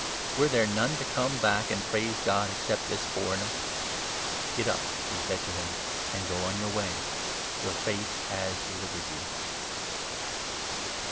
Were there none to come 18 back and praise God except this foreigner ? Get up," he said to 19 him, "and go on your way. Your faith has delivered you."